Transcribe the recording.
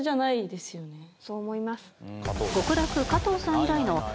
「そう思います」